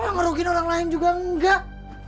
merugikan orang lain juga enggak